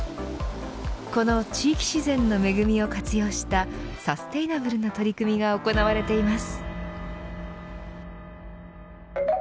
この地域自然の恵みを活用したサステイナブルな取り組みが行われています。